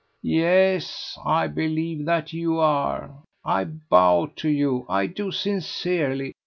"Yes, I believe that you are. I bow to you. I do sincerely.